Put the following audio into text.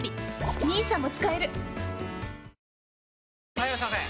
・はいいらっしゃいませ！